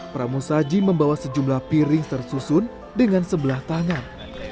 pramu saji membawa sejumlah piring tersusun dengan sebelah tangan